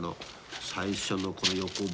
最初のこの横棒は。